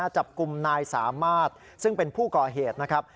จับกลุ่มนายสามารถซึ่งเป็นผู้ก่อเหตุนะครับ